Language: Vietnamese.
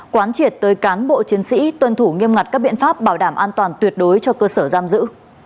quán triệt tới cán bộ chiến sĩ tuân thủ nghiêm ngặt các biện pháp bảo đảm an toàn tuyệt đối cho cơ sở giam giữ